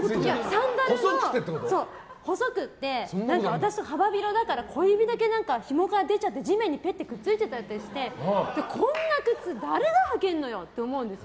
サンダルが細くて私、幅広だから小指だけ出ちゃって地面にぺってくっついちゃったりしてこんな靴誰が履けるのよって思うんです。